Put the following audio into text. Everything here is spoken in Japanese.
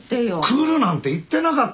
来るなんて言ってなかったろ。